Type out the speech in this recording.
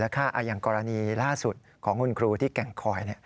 อย่างกรณีล่าสุดของคุณครูที่แก่งคอย